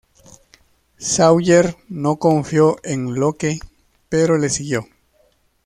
Sawyer no confió en Locke, pero le siguió.